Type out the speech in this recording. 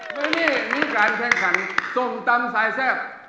วันนี้มีการแข่งขันส้มตำสายแซ่บ